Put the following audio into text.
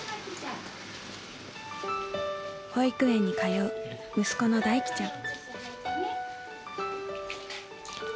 保育園に通う息子の大樹ちゃん。